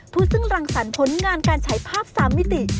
ผู้ซึ่งรังสรรพนิการการใช้ภาพ๓มิติ